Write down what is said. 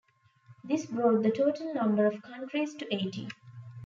This brought the total number of countries to eighteen.